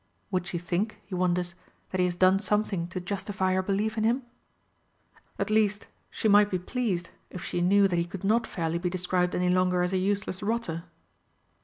Would she think, he wonders, that he has done something to justify her belief in him? At least she might be pleased if she knew that he could not fairly be described any longer as a useless rotter.